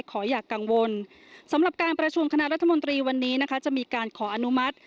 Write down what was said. ขออย่ากังวลสำหรับการประชุมคณะรัฐมนตรีวันนี้นะคะจะมีการขออนุมัติ